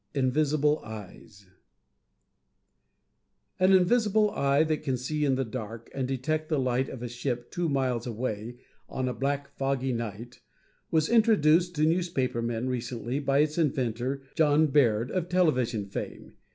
INVISIBLE EYES An invisible eye that can see in the dark and detect the light of a ship two miles away on a black foggy night was introduced to newspaper men recently by its inventor, John Baird of television fame.